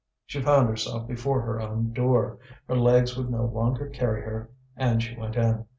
She found herself before her own door. Her legs would no longer carry her, and she went in.